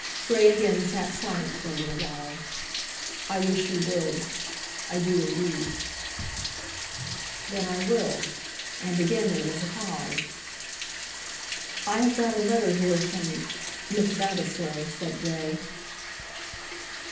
Grey again sat silent for a little while. "I wish you would; I do, indeed." "Then I will." And again there was a pause. "I have got a letter here from Miss Vavasor," said Grey.